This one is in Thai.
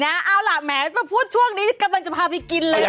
เอาละแหมละมาพูดช่วงนี้กำลังจะพาพี่กินเลยค่ะ